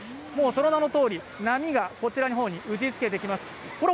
その名のとおり、波がこちらの方に打ちつけてきます。